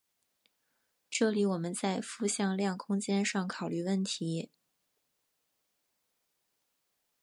这里我们在复向量空间上考虑问题。